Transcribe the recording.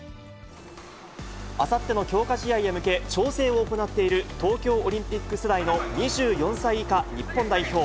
あさっての強化試合へ向け、調整を行っている、東京オリンピック世代の２４歳以下日本代表。